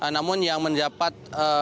namun yang menjapat